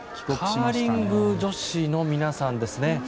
カーリング女子の皆さんですね。